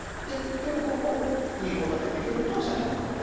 でもここにコウ立てできるとさっきのコウが。